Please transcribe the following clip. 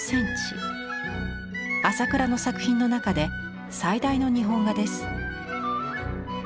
朝倉の作品の中で最大の日本画です。